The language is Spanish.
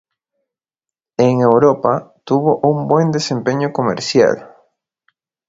En Europa, tuvo un buen desempeño comercial.